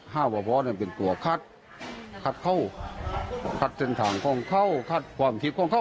ว่าพอนั้นเป็นตัวคัดคัดเข้าคัดเส้นทางของเขาคัดความคิดของเขา